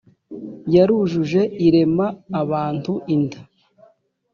yarujuje irema abantu inda.